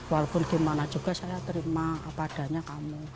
walaupun gimana juga saya terima padanya kamu